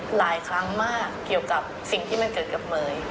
หลายครั้งมากเกี่ยวกับสิ่งที่มันเกิดกับเมย์